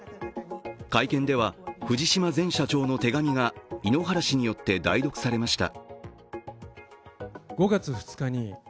会見では藤島前社長の手紙が井ノ原氏によって代読されました。